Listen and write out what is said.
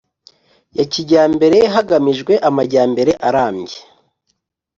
ya kijyambere hagamijwe amajyambere arambye